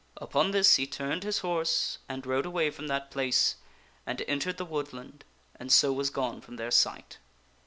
Upon this he turned his horse and rode away from that place and entered the woodland and so was gone from their sight.